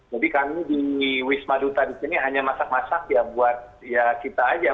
jadi kami di wisma duta di sini hanya masak masak ya buat ya kita aja